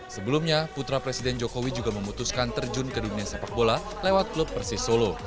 sebelumnya putra presiden jokowi juga memutuskan terjun ke dunia sepak bola lewat klub persis solo